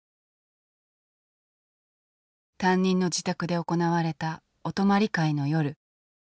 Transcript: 担任の自宅で行われたお泊まり会の夜。